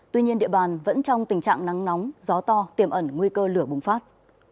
tuy nhiên địa bàn vẫn trong tình trạng nắng nóng gió to tiềm ẩn nguy cơ lửa bùng phát